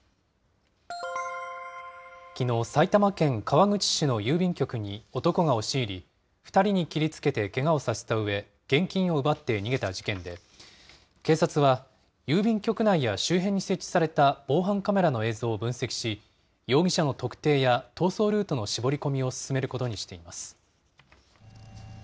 きのう、埼玉県川口市の郵便局に男が押し入り、２人に切りつけてけがをさせたうえ、現金を奪って逃げた事件で、警察は郵便局内や周辺に設置された防犯カメラの映像を分析し、容疑者の特定や逃走ルートの絞り込みを進めることにしています。